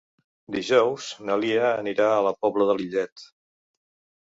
Dijous na Lia anirà a la Pobla de Lillet.